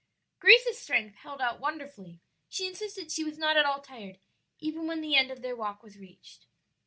Grace's strength held out wonderfully; she insisted she was not at all tired, even when the end of their walk was reached.